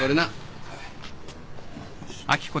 はい。